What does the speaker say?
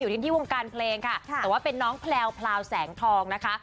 ที่วงการเพลงค่ะแต่ว่าเป็นน้องแพลวแสงทองนะคะ